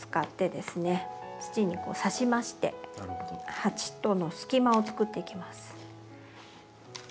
土にさしまして鉢との隙間をつくっていきます。